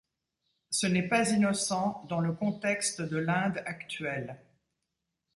Ce n'est pas innocent dans le contexte de l'Inde actuelle.